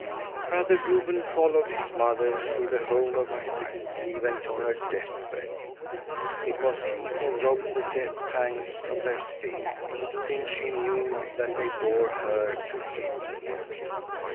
Brother Reuben followed his mother through the whole of her life, even to her deathbed. It was he who robbed the death pangs of their sting, since she knew that they bore her to him.